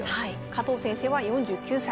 加藤先生は４９歳。